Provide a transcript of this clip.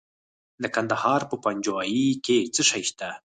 د کندهار په پنجوايي کې څه شی شته؟